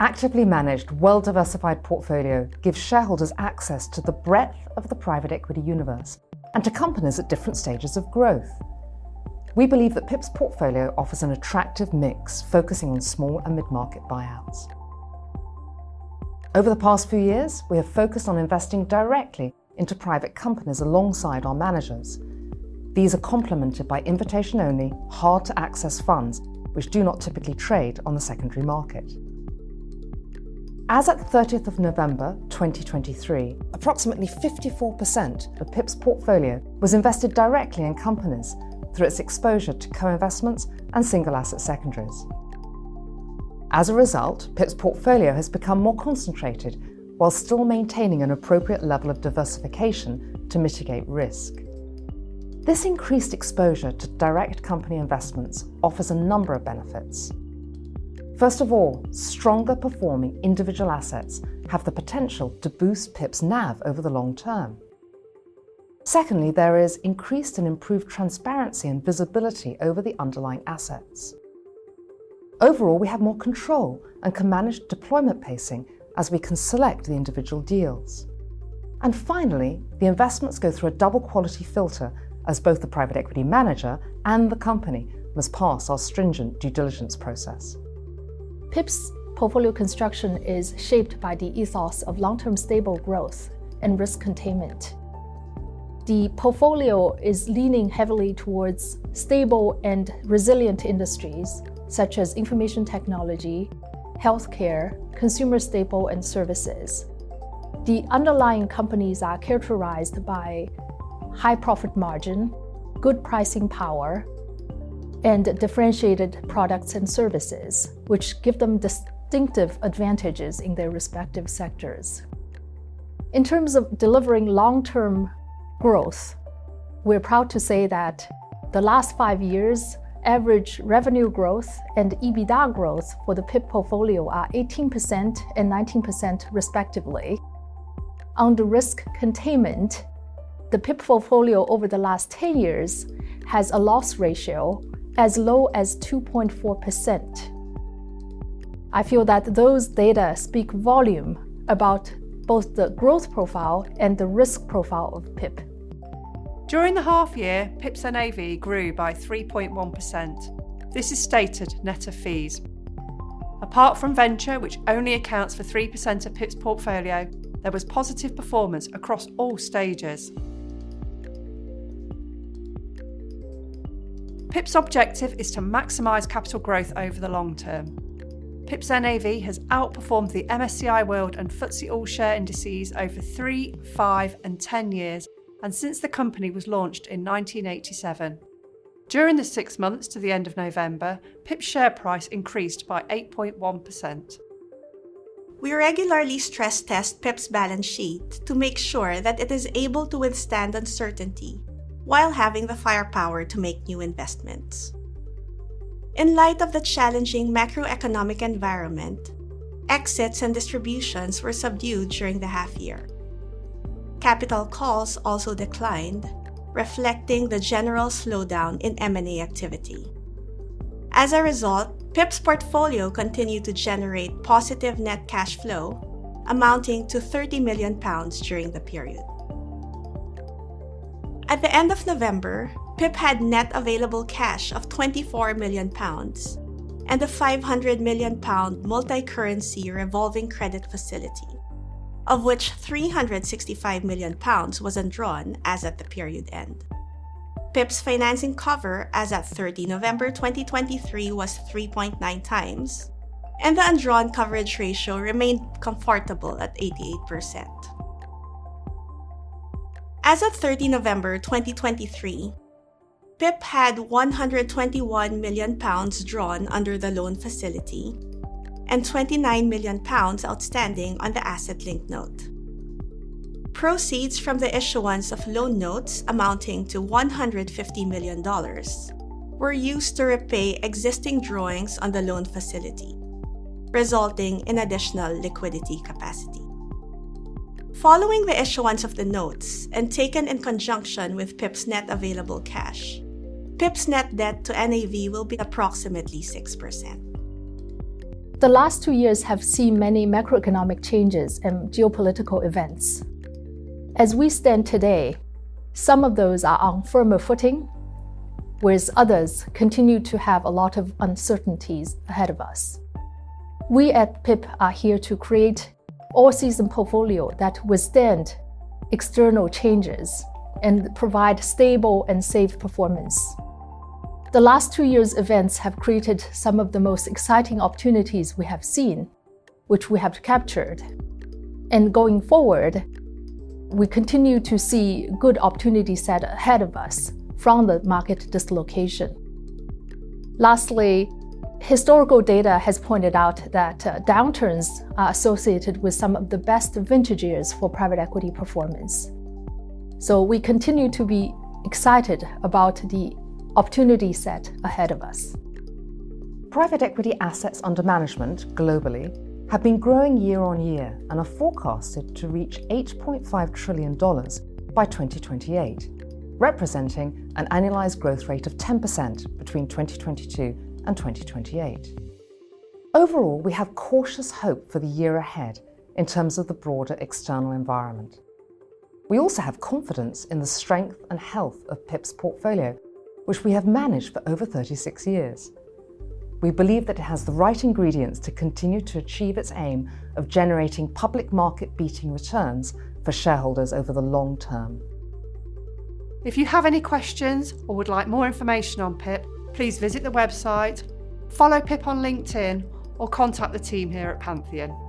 Actively managed well-diversified portfolio gives shareholders access to the breadth of the private equity universe and to companies at different stages of growth. We believe that PIP's portfolio offers an attractive mix focusing on small and mid-market buyouts. Over the past few years, we have focused on investing directly into private companies alongside our managers. These are complemented by invitation-only, hard-to-access funds which do not typically trade on the secondary market. As of 30th November 2023, approximately 54% of PIP's portfolio was invested directly in companies through its exposure to co-investments and single-asset secondaries. As a result, PIP's portfolio has become more concentrated while still maintaining an appropriate level of diversification to mitigate risk. This increased exposure to direct company investments offers a number of benefits. First of all, stronger-performing individual assets have the potential to boost PIP's NAV over the long term. Secondly, there is increased and improved transparency and visibility over the underlying assets. Overall, we have more control and can manage deployment pacing as we can select the individual deals. And finally, the investments go through a double-quality filter as both the private equity manager and the company must pass our stringent due diligence process. PIP's portfolio construction is shaped by the ethos of long-term stable growth and risk containment. The portfolio is leaning heavily towards stable and resilient industries such as information technology, healthcare, consumer staples and services. The underlying companies are characterized by high profit margin, good pricing power, and differentiated products and services, which give them distinctive advantages in their respective sectors. In terms of delivering long-term growth, we're proud to say that the last five years' average revenue growth and EBITDA growth for the PIP portfolio are 18% and 19%, respectively. On the risk containment, the PIP portfolio over the last 10 years has a loss ratio as low as 2.4%. I feel that those data speak volume about both the growth profile and the risk profile of PIP. During the half-year, PIP's NAV grew by 3.1%. This is stated net of fees. Apart from venture, which only accounts for 3% of PIP's portfolio, there was positive performance across all stages. PIP's objective is to maximize capital growth over the long term. PIP's NAV has outperformed the MSCI World and FTSE All-Share Indices over three, five, and 10 years. Since the company was launched in 1987. During the six months to the end of November, PIP's share price increased by 8.1%. We regularly stress-test PIP's balance sheet to make sure that it is able to withstand uncertainty while having the firepower to make new investments. In light of the challenging macroeconomic environment, exits and distributions were subdued during the half-year. Capital calls also declined, reflecting the general slowdown in M&A activity. As a result, PIP's portfolio continued to generate positive net cash flow, amounting to 30 million pounds during the period. At the end of November, PIP had net available cash of 24 million pounds and a 500 million pound multicurrency revolving credit facility, of which 365 million pounds was undrawn as at the period end. PIP's financing cover, as at 30 November 2023, was 3.9x, and the undrawn coverage ratio remained comfortable at 88%. As of 30 November 2023, PIP had GBP 121 million drawn under the loan facility and GBP 29 million outstanding on the asset-linked note. Proceeds from the issuance of loan notes amounting to $150 million were used to repay existing drawings on the loan facility, resulting in additional liquidity capacity. Following the issuance of the notes and taken in conjunction with PIP's net available cash, PIP's net debt to NAV will be approximately 6%. The last two years have seen many macroeconomic changes and geopolitical events. As we stand today, some of those are on firmer footing, whereas others continue to have a lot of uncertainties ahead of us. We at PIP are here to create an all-season portfolio that withstands external changes and provides stable and safe performance. The last two years' events have created some of the most exciting opportunities we have seen, which we have captured. Going forward, we continue to see good opportunities set ahead of us from the market dislocation. Lastly, historical data has pointed out that downturns are associated with some of the best vintage years for private equity performance. We continue to be excited about the opportunity set ahead of us. Private equity assets under management, globally, have been growing year on year and are forecasted to reach $8.5 trillion by 2028, representing an annualized growth rate of 10% between 2022 and 2028. Overall, we have cautious hope for the year ahead in terms of the broader external environment. We also have confidence in the strength and health of PIP's portfolio, which we have managed for over 36 years. We believe that it has the right ingredients to continue to achieve its aim of generating public-market-beating returns for shareholders over the long term. If you have any questions or would like more information on PIP, please visit the website, follow PIP on LinkedIn, or contact the team here at Pantheon.